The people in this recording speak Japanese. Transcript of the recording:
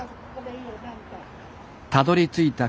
たどりついた